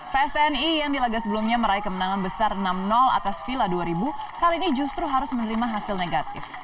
psni yang di laga sebelumnya meraih kemenangan besar enam atas vila dua ribu kali ini justru harus menerima hasil negatif